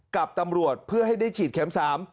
กับตำรวจเพื่อให้ได้ฉีดเข็ม๓